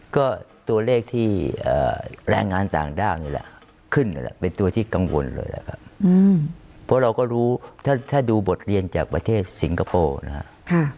ก็ตัวเลขที่แรงงานต่างด้าวนี่แหละขึ้นเป็นตัวที่กังวลเลยนะครับเพราะเราก็รู้ถ้าดูบทเรียนจากประเทศสิงคโปร์นะครับ